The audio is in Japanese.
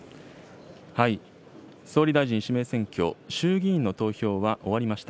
総理大臣指名選挙、衆議院の投票は終わりました。